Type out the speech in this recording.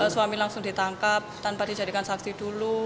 suami langsung ditangkap tanpa dijadikan saksi dulu